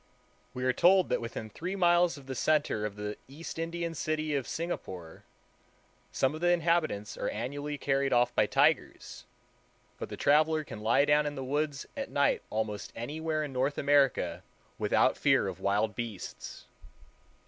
We are told that within three miles of the center of the East Indian city of Singapore, some of the inhabitants are annually carried off by tigers; but the traveler can lie down in the woods at night almost anywhere in North America without fear of wild beasts.